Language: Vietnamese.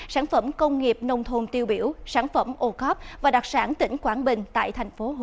sản phẩm công nghiệp nông thôn tiêu biểu sản phẩm ô khớp và đặc sản tỉnh quảng bình tại tp hcm